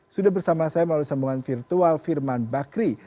sudah bersama saya melalui sambungan virtual firman bakri